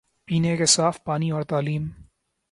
پینے کے صاف پانی اور تعلیم